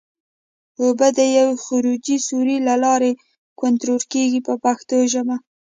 اوبه د یوې خروجي سوري له لارې کنټرول کېږي په پښتو ژبه.